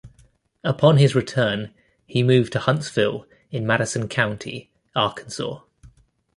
Upon his return he moved to Huntsville in Madison County, Arkansas.